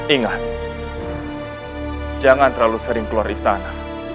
ingat jangan terlalu sering keluar istana